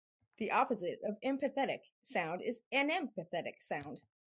The opposite of empathetic sound is anempathetic sound.